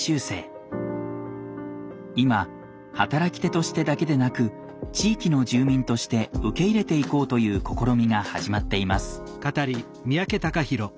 今働き手としてだけでなく地域の住民として受け入れていこうという試みが始まっています。